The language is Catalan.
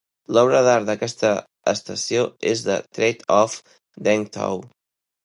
L'obra d'art d'aquesta estació és "The Trade-Off" d'Eng Tow.